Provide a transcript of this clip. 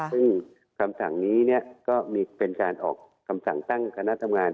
ซึ่งคำสั่งนี้ก็มีการออกคำสั่งตั้งคณะทำงาน